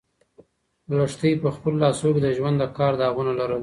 لښتې په خپلو لاسو کې د ژوند د کار داغونه لرل.